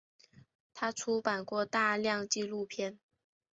他出版过大量纪录片。